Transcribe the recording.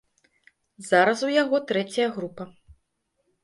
Зараз у яго трэцяя група.